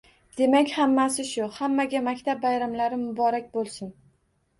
Demak, hammasi shu! Hammaga maktab bayramlari muborak bo'lsin!!!